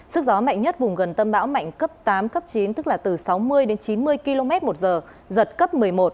sức gió mạnh nhất vùng gần tâm bão mạnh cấp tám cấp chín tức là từ sáu mươi đến chín mươi km một giờ giật cấp một mươi một